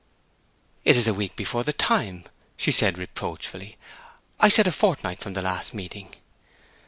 "It is a week before the time," said she, reproachfully. "I said a fortnight from the last meeting."